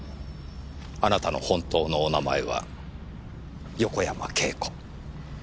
あなたの本当のお名前は横山慶子。